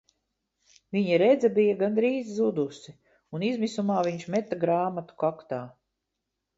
Viņa redze bija gandrīz zudusi un izmisumā viņš meta grāmatu kaktā.